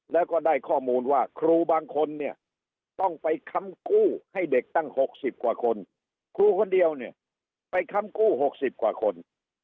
แล้วก็ได้ข้อมูลว่าครูบางคนเนี่ยต้องไปค้ำกู้ให้เด็กตั้ง๖๐กว่าคนครูคนเดียวเนี่ยไปค้ำกู้๖๐กว่าคน